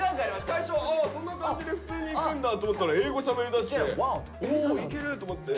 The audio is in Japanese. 最初あそんな感じで普通にいくんだと思ったら英語しゃべりだしておいけると思って。